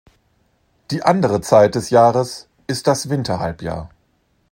Die andere Zeit des Jahres ist das Winterhalbjahr.